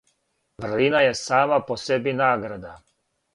Врлина је сама по себи награда.